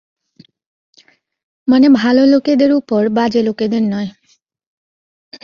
মানে, ভালো লোকেদের ওপর, বাজে লোকেদের নয়।